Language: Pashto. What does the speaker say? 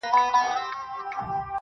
هـغــه اوس سيــمــي د تـــــه ځـــــي~